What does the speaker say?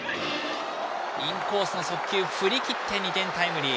インコースの速球振り切って２点タイムリー。